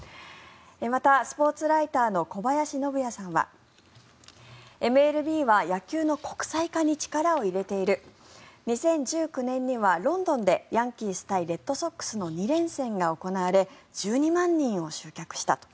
また、スポーツライターの小林信也さんはＭＬＢは野球の国際化に力を入れている２０１９年にはロンドンでヤンキース対レッドソックスの２連戦が行われ１２万人を集客したと。